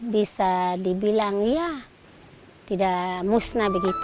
bisa dibilang ya tidak musnah begitu